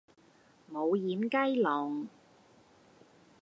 冇厴雞籠